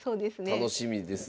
楽しみですね。